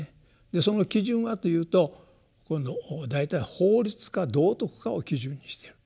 でその基準はというと大体法律か道徳かを基準にしている。